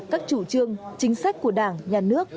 các chủ trương chính sách của đảng nhà nước